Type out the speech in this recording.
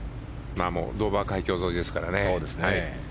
ドーバー海峡沿いですからね。